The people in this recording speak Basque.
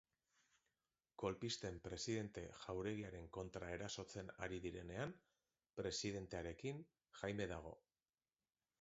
Kolpisten Presidente jauregiaren kontra erasotzen ari direnean, presidentearekin Jaime dago.